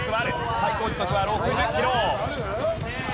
最高時速は６０キロ！